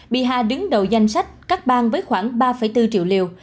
biha đứng đầu danh sách các bang với khoảng ba bốn triệu liều